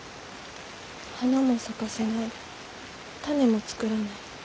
花も咲かせない種も作らない。